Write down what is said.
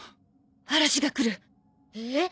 嵐が来るえぇっ？